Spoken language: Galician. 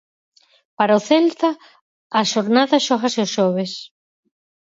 Para o Celta a xornada xógase o xoves.